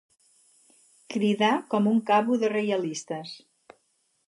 Cridar com un cabo de reialistes.